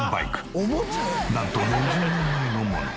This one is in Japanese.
なんと４０年前のもの。